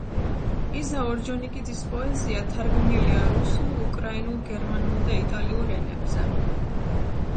იზა ორჯონიკიძის პოეზია თარგმნილია რუსულ, უკრაინულ, გერმანულ და იტალიურ ენებზე.